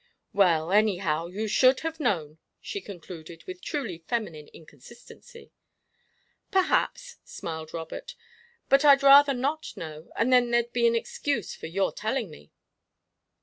"Well, anyhow, you should have known," she concluded, with truly feminine inconsistency. "Perhaps," smiled Robert; "but I'd rather not know, and then there'd be an excuse for your telling me."